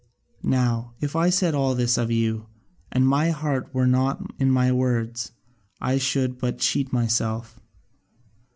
"Now if I said all this of you, and my heart were not in my words, I should but cheat myself.